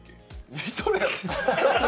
見とるやろ！